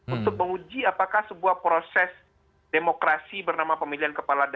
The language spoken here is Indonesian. untuk menguji apakah sebuah proses demokrasi bernama pemilihan kepala daerah